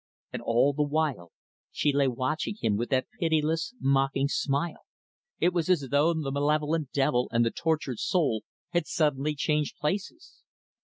And all the while she lay watching him with that pitiless, mocking, smile. It was as though the malevolent devil and the tortured soul had suddenly changed places.